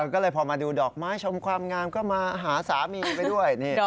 ก็เลยพอมาดูดอกไม้ชมความงามก็มาหาสามีไปด้วย